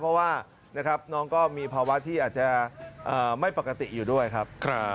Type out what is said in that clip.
เพราะว่าน้องก็มีภาวะที่อาจจะไม่ปกติอยู่ด้วยครับ